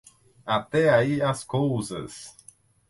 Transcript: Até aí as cousas.